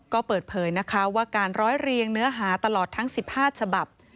ก็เปิดเผยนะคะว่าการร้อยเรียงเนื้อหาตลอดทั้ง๑๕ฉบับ